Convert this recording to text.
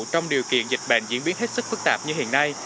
trong điều kiện dịch bệnh diễn biến hết sức phức tạp như hiện nay